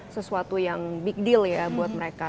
sesuatu yang big deal ya buat mereka